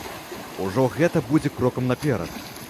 Ужо гэта будзе крокам наперад.